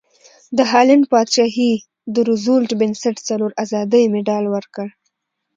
د هالنډ پادشاهي د روزولټ بنسټ څلور ازادۍ مډال ورکړ.